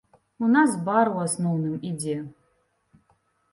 У нас бар у асноўным ідзе.